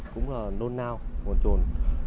cũng là nôn nao nguồn trồn